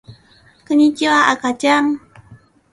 こんにちはあかちゃん